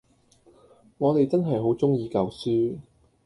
我哋真係好鍾意舊書